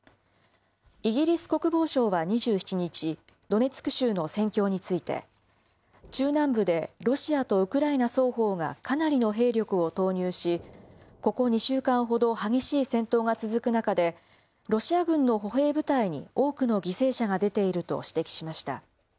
イギリス国防省は２７日、ドネツク州の戦況について、中南部でロシアとウクライナの双方がかなりの兵力を投入し、ここ２週間ほど激しい戦闘が続く中で、ロシア軍の歩兵部隊に多くの犠牲者が出ていると指摘しました。